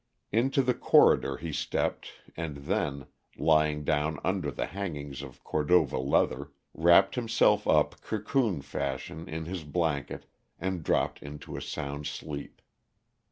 Into the corridor he stepped and then, lying down under the hangings of Cordova leather, wrapped himself up cocoon fashion in his blanket and dropped into a sound sleep.